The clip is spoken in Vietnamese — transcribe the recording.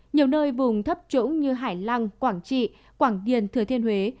nhiều nơi vùng thấp trũng như hải lăng quảng trị quảng điền thừa thiên huế